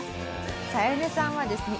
さあアヤネさんはですね